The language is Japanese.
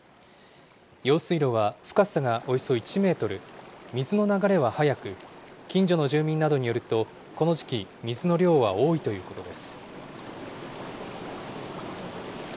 用水路は深さがおよそ１メートル、水の流れは速く、近所の住民などによると、この時期、水の量は多いということです。